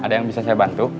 ada yang bisa saya bantu